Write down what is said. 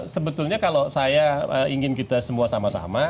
sebetulnya kalau saya ingin kita semua sama sama